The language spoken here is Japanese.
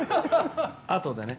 あとでね。